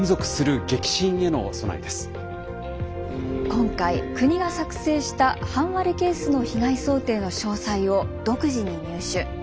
今回国が作成した半割れケースの被害想定の詳細を独自に入手。